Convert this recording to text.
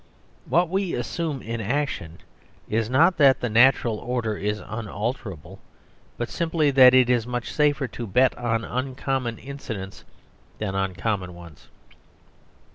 What we assume in action is not that the natural order is unalterable, but simply that it is much safer to bet on uncommon incidents than on common ones.